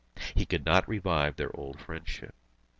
He could not revive their old friendship.